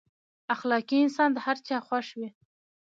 اخلاقي انسان د هر چا خوښ وي.